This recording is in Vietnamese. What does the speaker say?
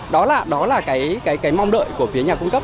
đó là cái mong đợi của phía nhà cung cấp